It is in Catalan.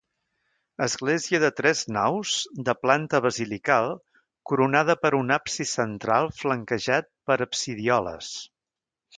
Església de tres naus de planta basilical coronada per un absis central flanquejat per absidioles.